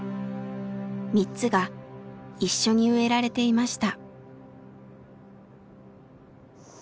３つが一緒に植えられていました。